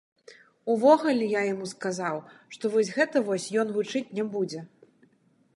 Увогуле, я яму сказаў, што вось гэта вось ён вучыць не будзе.